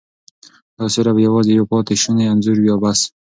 دا سیوری به یوازې یو پاتې شونی انځور وي او بس.